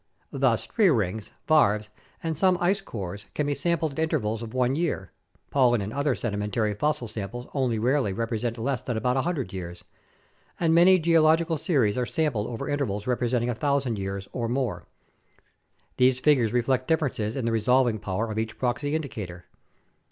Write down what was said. Thus, tree rings, varves, and some ice cores can be sampled at intervals of one year, pollen or other sedimentary fossil samples only rarely represent less than about 100 years, and many geological series are sampled over intervals representing a thousand years or more. These figures reflect differences in the resolving power of each proxy indicator.